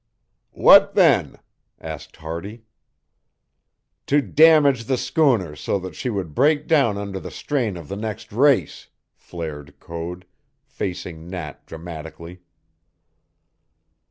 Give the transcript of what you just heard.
"What, then?" asked Hardy. "To damage the schooner so that she would break down under the strain of the next race," flared Code, facing Nat dramatically.